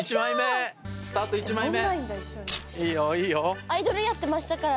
スタート１枚目。